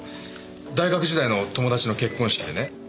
大学時代の友達の結婚式でね。